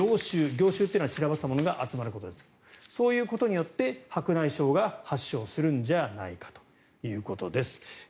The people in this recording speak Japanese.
凝集っていうのは散らばっていたものが集まることですがそういうことによって白内障が発症するんじゃないかということです。